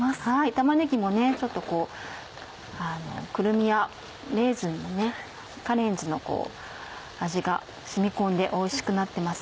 玉ねぎもちょっとこうくるみやレーズンカレンズの味が染み込んでおいしくなってます。